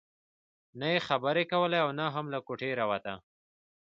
نه يې خبرې کولې او نه هم له کوټې راوته.